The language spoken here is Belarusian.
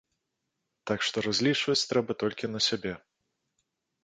Так што разлічваць трэба толькі на сябе.